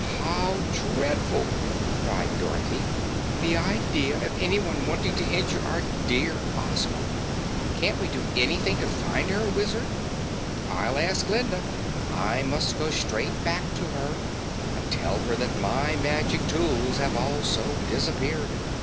"How dreadful!" cried Dorothy. "The idea of anyone wanting to injure our dear Ozma! Can't we do ANYthing to find her, Wizard?" "I'll ask Glinda. I must go straight back to her and tell her that my magic tools have also disappeared.